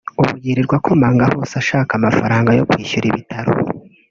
ubu yirirwa akomanga hose ashaka amafaranga yo kwishyura ibitaro